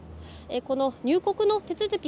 この入国の手続き